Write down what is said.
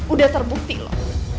udah terbukti lo